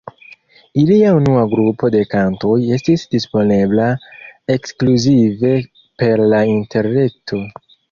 Ilia unua grupo de kantoj estis disponebla ekskluzive per la interreto.